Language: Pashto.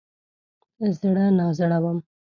زړه نازړه وم.